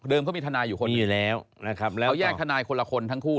เขามีทนายอยู่คนเดียวนะครับแล้วเขาแยกทนายคนละคนทั้งคู่